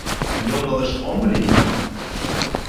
Йоҥылыш ом лий!